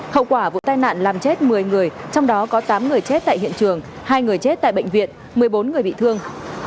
hậu quả vụ tai nạn làm chết một mươi người trong đó có tám người chết tại hiện trường hai người chết tại bệnh viện một mươi bốn người bị thương